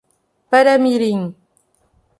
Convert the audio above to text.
Paramirim